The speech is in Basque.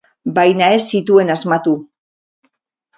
Baina ez zituen asmatu.